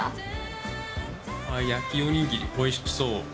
焼きおにぎり、おいしそう。